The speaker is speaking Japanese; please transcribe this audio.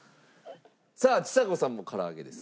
さあちさ子さんもから揚げです。